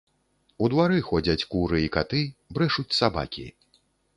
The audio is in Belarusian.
У двары ходзяць куры і каты, брэшуць сабакі.